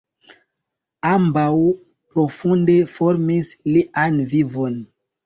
Ambaŭ profunde formis lian vivon.